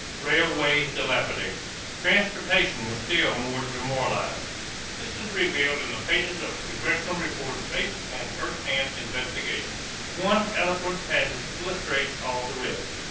=Railways Dilapidated.= Transportation was still more demoralized. This is revealed in the pages of congressional reports based upon first hand investigations. One eloquent passage illustrates all the rest.